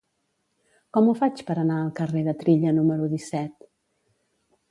Com ho faig per anar al carrer de Trilla número disset?